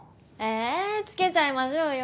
えつけちゃいましょうよ。